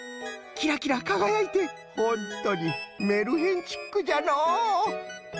キラキラかがやいてホントにメルヘンチックじゃのう！